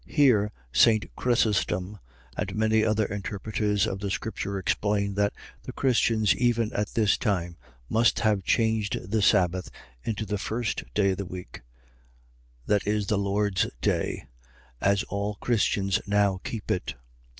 . .Here St. Chrysostom and many other interpreters of the scripture explain, that the Christians even at this time, must have changed the sabbath into the first day of the week, (the Lord's day,) as all Christians now keep it.